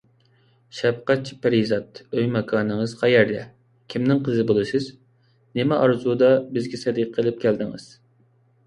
شەپقەتچى پەرىزات، ئۆي - ماكانىڭىز قەيەردە؟ كىمنىڭ قىزى بولىسىز؟ نېمە ئارزۇدا بىزگە سەدىقە ئېلىپ كەلدىڭىز؟